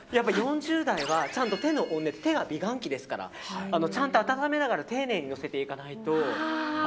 ４０代は、手が美顔器ですからちゃんと温めながら丁寧に乗せていかないと。